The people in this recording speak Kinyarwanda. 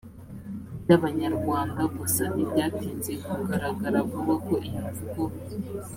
by abanyarwanda gusa ntibyatinze kugaragara vuba ko iyo mvugo